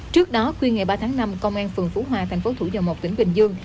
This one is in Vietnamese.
trước đó khuya ngày ba tháng năm công an phường phú hòa thành phố thủ dầu một tỉnh bình dương